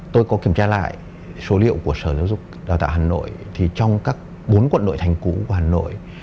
tôi có kiểm tra lại số liệu của sở giáo dục đào tạo hà nội thì trong các bốn quận nội thành cũ của hà nội